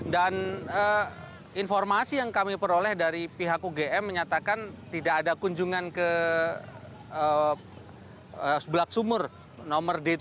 dan informasi yang kami peroleh dari pihak ugm menyatakan tidak ada kunjungan ke bulak sumur nomor d tujuh